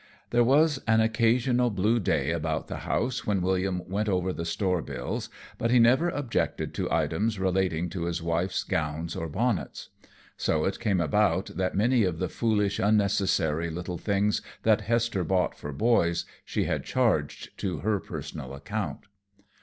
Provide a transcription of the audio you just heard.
There was an occasional blue day about the house when William went over the store bills, but he never objected to items relating to his wife's gowns or bonnets. So it came about that many of the foolish, unnecessary little things that Hester bought for boys, she had charged to her personal account.